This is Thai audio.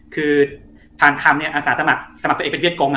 คือพาลคำอาสาสมัครสมัครตัวเองเป็นเวียดกง